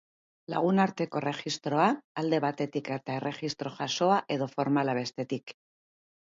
Lagunarteko erregistroa, alde batetik eta erregistro jasoa edo formala bestetik.